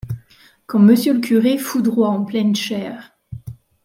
Quand monsieur le curé foudroie en pleine chaire